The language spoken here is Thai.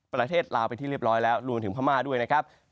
ประเทศลาวไปที่เรียบร้อยแล้วรวมถึงพม่าด้วยนะครับ